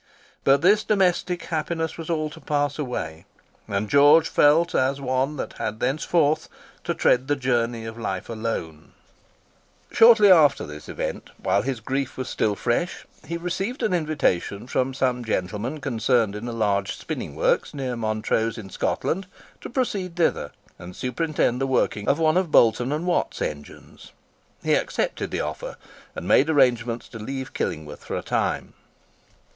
But this domestic happiness was all to pass away; and George felt as one that had thenceforth to tread the journey of life alone. [Picture: West Moor Colliery] Shortly after this event, while his grief was still fresh, he received an invitation from some gentlemen concerned in large spinning works near Montrose in Scotland, to proceed thither and superintend the working of one of Boulton and Watt's engines. He accepted the offer, and made arrangements to leave Killingworth for a time.